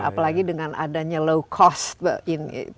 apalagi dengan adanya low cost pesawat dan lain sebagainya ya